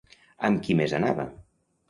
Amb qui més anava?